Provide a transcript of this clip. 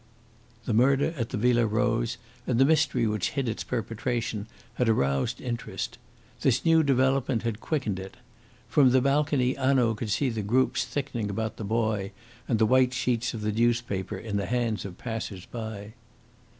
The murder at the Villa Rose and the mystery which hid its perpetration had aroused interest. This new development had quickened it. From the balcony Hanaud could see the groups thickening about the boy and the white sheets of the newspapers in the hands of passers by.